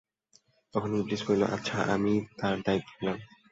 তখন ইবলীস বললঃ আচ্ছা আমিই তার দায়িত্ব নিলাম।